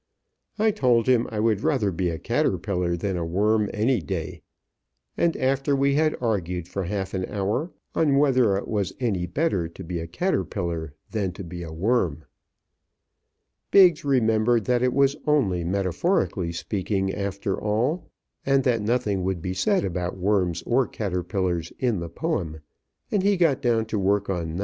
I told him I would rather be a caterpillar than a worm any day; and after we had argued for half an hour on whether it was any better to be a caterpillar than to be a worm. Biggs remembered that it was only metaphorically speaking, after all, and that nothing would be said about worms or caterpillars in the poem, and he got down to work on No.